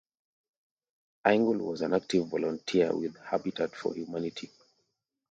Ingle was an active volunteer with Habitat for Humanity.